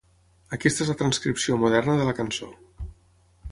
Aquesta és la transcripció moderna de la cançó.